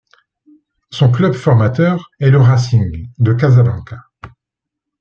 Son club formateur est le Racing de Casablanca.